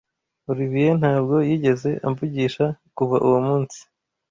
Olivier ntabwo yigeze amvugisha kuva uwo munsi.